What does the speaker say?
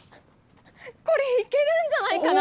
これいけるんじゃないかな。